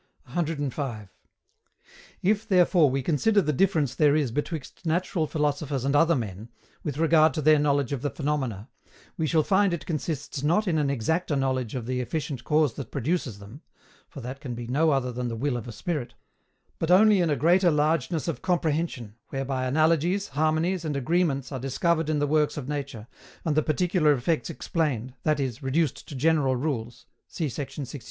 105. If therefore we consider the difference there is betwixt natural philosophers and other men, with regard to their knowledge of the phenomena, we shall find it consists not in an exacter knowledge of the efficient cause that produces them for that can be no other than the will of a spirit but only in a greater largeness of comprehension, whereby analogies, harmonies, and agreements are discovered in the works of nature, and the particular effects explained, that is, reduced to general rules, see sect.